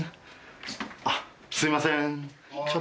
あっすいません。